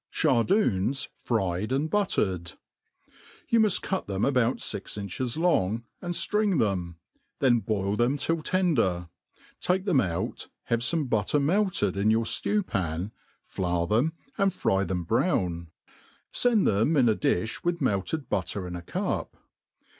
Cbardoons fried and huttered. YOU muft cut them abou^ fix inches long, and firing them j then boil them till tender; take them out, have fome butter mdted in your ftew pan, flour them, and fry them brown i fend them in a difli with melted butter in a cup.